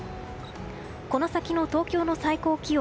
この先の東京の最高気温。